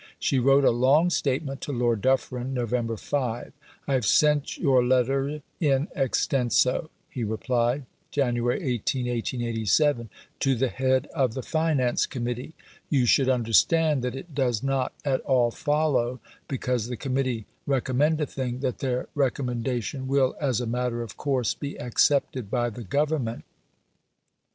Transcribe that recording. She wrote a long statement to Lord Dufferin (Nov. 5). "I have sent your letter in extenso," he replied (Jan. 18, 1887), "to the head of the Finance Committee. You should understand that it does not at all follow, because the Committee recommend a thing, that their recommendation will, as a matter of course, be accepted by the Government.